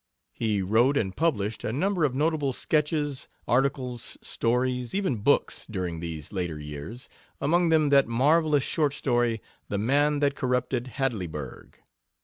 He wrote and published a number of notable sketches, articles, stories, even books, during these later years, among them that marvelous short story "The Man That Corrupted Hadleyburg."